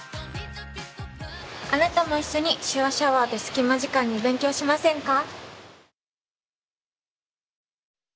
あなたも一緒に「手話シャワー」で隙間時間に勉強しませんか？